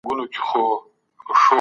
بریا یې د پښتنو په نام وګڼله